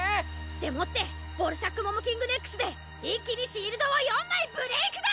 でもってボルシャック・モモキングＮＥＸで一気にシールドを４枚ブレイクだ！